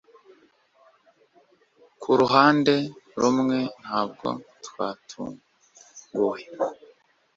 ku ruhande rumwe ntabwo twatunguwe,